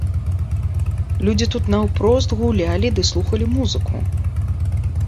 Людзі тут наўпрост гулялі ды слухалі музыку.